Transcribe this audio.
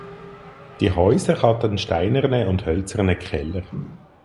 Die Häuser hatten steinerne und hölzerne Keller.